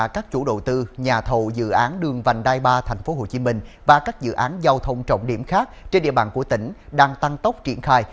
các dự án đường vành đai ba tp hcm và các dự án giao thông trọng điểm khác trên địa bàn của tỉnh đang tăng tốc triển khai